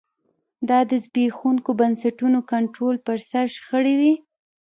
دا د زبېښونکو بنسټونو کنټرول پر سر شخړې وې